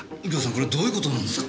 これどういう事なんですか？